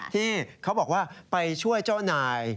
ที่เขาบอกว่าไปช่วยเจ้านาย